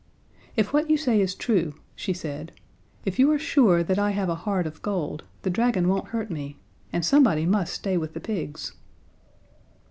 "If what you say is true," she said, "if you are sure that I have a heart of gold, the dragon won't hurt me, and somebody must stay with the pigs."